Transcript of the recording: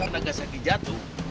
karena gas lagi jatuh